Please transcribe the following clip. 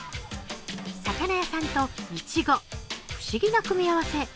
魚屋さんといちご、不思議な組み合わせ。